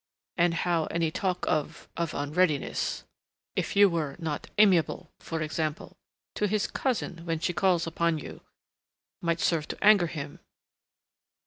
And how any talk of of unreadiness if you were not amiable, for example, to his cousin when she calls upon you might serve to anger him....